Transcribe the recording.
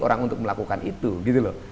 orang untuk melakukan itu gitu loh